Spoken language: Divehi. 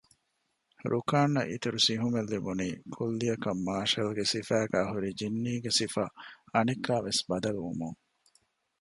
ރުކާންއަށް އިތުރު ސިހުމެއް ލިބުނީ ކުއްލިއަކަށް މާޝަލްގެ ސިފައިގައި ހުރި ޖިންނީގެ ސިފަ އަނެއްކާވެސް ބަދަލުވުމުން